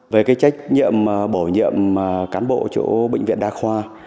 về cái trách nhiệm bổ nhiệm cán bộ chỗ bệnh viện đa khoa